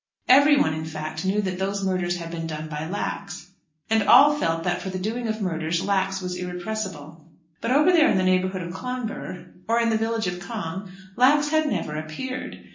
Everyone, in fact, knew that those murders had been done by Lax. And all felt that for the doing of murders Lax was irrepressible. But over there in the neighbourhood of Clonbur, or in the village of Cong, Lax had never appeared.